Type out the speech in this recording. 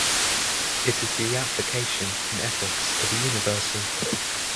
It is the application, in ethics, of a universal.